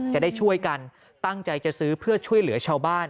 จะได้ช่วยกันตั้งใจจะซื้อเพื่อช่วยเหลือชาวบ้าน